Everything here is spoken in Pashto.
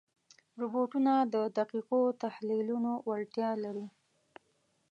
روبوټونه د دقیقو تحلیلونو وړتیا لري.